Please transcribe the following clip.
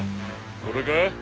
これか？